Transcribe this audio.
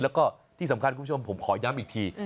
แล้วก็ที่สำคัญคุณผู้ชมผมขอย้ำอีกที